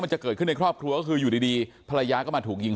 จะเกิดขึ้นในครอบครัวก็คืออยู่ดีภรรยาก็มาถูกยิง